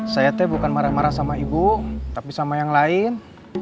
saya teh bukan marah marah sama ibu tapi sama yang lain